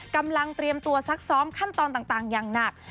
กำลังเตรียมตัวซักซ้อมขั้นตอนต่างอย่างหนัก